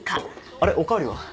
あれお代わりは？